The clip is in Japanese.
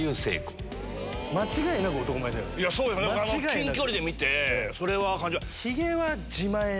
近距離で見てそれは感じた。